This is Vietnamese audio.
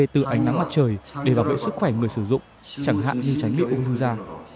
từ ánh nắng mặt trời để bảo vệ sức khỏe người sử dụng chẳng hạn như tránh bị ung thư da